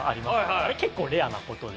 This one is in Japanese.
あれ結構レアな事で。